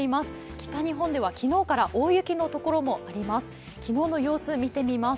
北日本では昨日から大雪の所もあります。